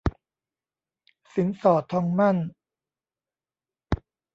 สินสอดทองหมั้น